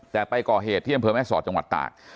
แต่ไปก่อเหตุที่นั่นเพราะแม่ศอดปักษ์